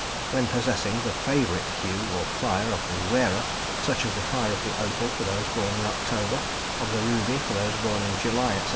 When possessing the favourite hue or "fire" of the wearer, such as the fire of the opal for those born in October, of the ruby for those born in July, etc.